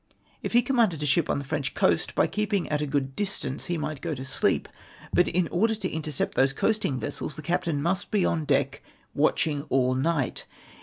If he commanded a sliip on the French coast, by keejiing at a good distance he might go to sleep, but in order to intercept those coasting vessels the captain must be on deck watching all night.